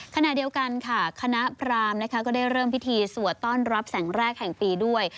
ขณะเดียวกันค่ะคณะพรามนะคะก็ได้เริ่มพิธีสวดต้อนรับแสงแรกแห่งปีด้วย